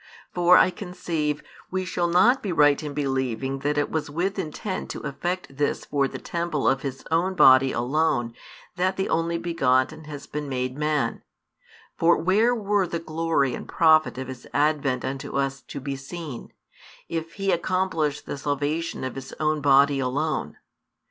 For, I conceive, we shall not be right in believing that it was with intent to effect this for the Temple of His own Body alone that the Only begotten has been made man; for where were the glory and profit of His Advent unto us to be seen, if He accomplished the salvation of His own Body alone?